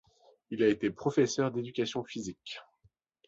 Il a été professeur d'éducation physique.